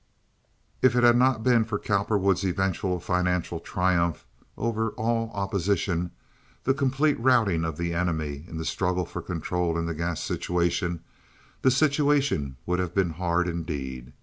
If it had not been for Cowperwood's eventual financial triumph over all opposition—the complete routing of the enemy—in the struggle for control in the gas situation—the situation would have been hard, indeed.